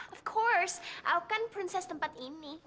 of course aku kan princess tempat ini